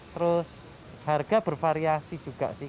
terus harga bervariasi juga sih